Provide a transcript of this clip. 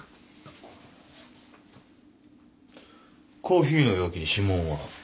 コーヒーの容器に指紋は？